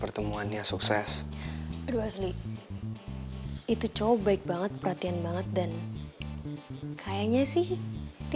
untuk anak kakaknya yang biji our dateng ke cv